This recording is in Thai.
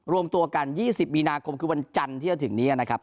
รวมตัวกัน๒๐มีนาคมคือวันจันทร์ที่จะถึงนี้นะครับ